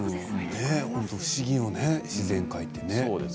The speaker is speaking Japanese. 不思議よね自然界って。